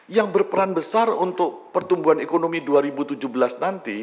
yang berperan besar untuk pertumbuhan ekonomi dua ribu tujuh belas nanti